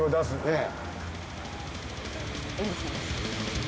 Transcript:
ええ。